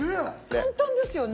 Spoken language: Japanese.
簡単ですよね。